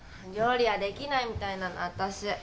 料理はできないみたいなのわたし。